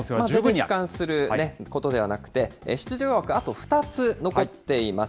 悲観することではなくて、出場枠、あと２つ残っています。